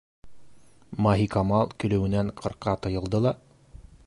Маһикамал көлөүенән ҡырҡа тыйылды ла: